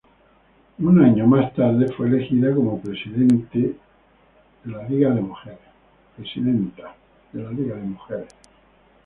Una año más tarde fue elegida como Presidente de la Liga de Mujeres.